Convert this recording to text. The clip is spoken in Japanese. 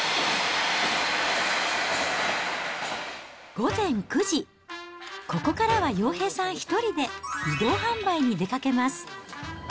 午前９時、ここからは洋平さん１人で移動販売に出かけます。